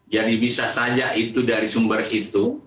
jadi bisa saja itu dari sumber itu